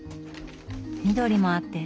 緑もあって。